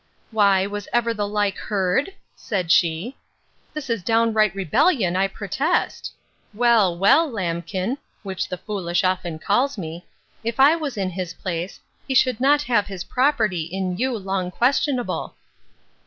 —Why, was ever the like heard? says she.—This is downright rebellion, I protest!—Well, well, lambkin, (which the foolish often calls me,) if I was in his place, he should not have his property in you long questionable.